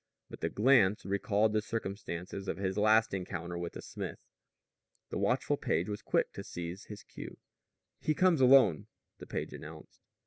But his glance recalled the circumstances of his last encounter with the smith. The watchful page was quick to seize his cue. "He comes alone," the page announced.